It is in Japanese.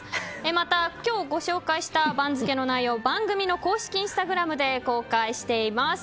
また、今日ご紹介した番付の内容番組の公式インスタグラムで公開しています。